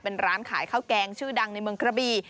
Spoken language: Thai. เป็นร้านขายข้าวแกงชื่อดังในเมืองกระบี